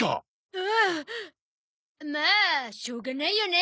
おお。まあしょうがないよね。